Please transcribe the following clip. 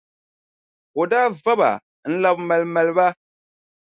O daa va ba n-labi maalimaali ba,